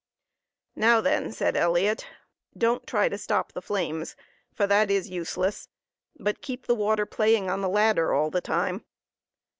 "Now then," said Elliot, "don't try to stop the flames, for that is useless, but keep the water playing on the ladder all the time."